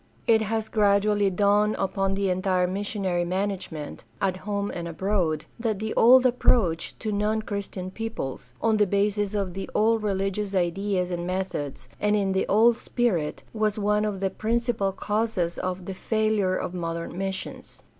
It has gradually dawned upon the entire missionary management, at home and abroad, that the old approach to non Christian peoples, on the basis of the old reHgious ideas and methods, and in the old spirit, was one of the principal causes of "the failure of modern missions."